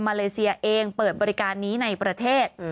เลเซียเองเปิดบริการนี้ในประเทศ